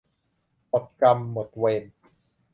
หมดกรรมหมดเวร